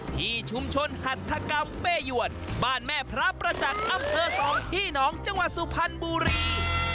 ที่ชุมชนหัตถกรรมเป้ยวนบ้านแม่พระประจักษ์อำเภอสองพี่น้องจังหวัดสุพรรณบุรี